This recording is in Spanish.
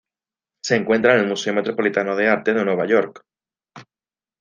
Se encuentra en el Museo Metropolitano de Arte de Nueva York.